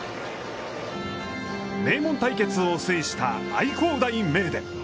名門対決を制した愛工大名電。